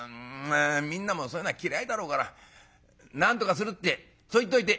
みんなもそういうのは嫌いだろうからなんとかするってそう言っといて」。